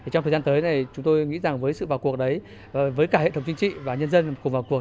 trong thời gian tới chúng tôi nghĩ rằng với sự vào cuộc đấy với cả hệ thống chính trị và nhân dân cùng vào cuộc